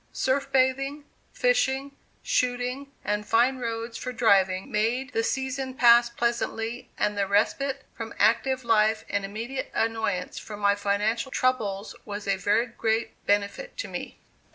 Surf bathing, fishing, shooting and fine roads for driving made the season pass pleasantly and the respite from active life and immediate annoyance from my financial troubles was a very great benefit to me.